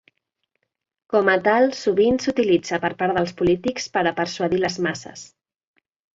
Com a tal sovint s'utilitza per part dels polítics per a persuadir les masses.